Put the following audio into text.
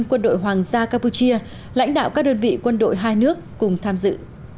quân đội hoàng gia campuchia lãnh đạo các đơn vị quân đội hai nước cùng tham dự